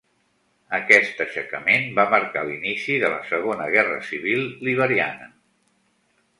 Aquest aixecament va marcar l'inici de la Segona Guerra Civil Liberiana.